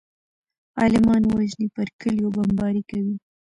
عالمان وژني پر کليو بمبارۍ کوي.